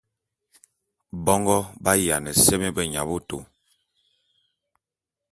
Bongo ba’ayiana seme beyaboto.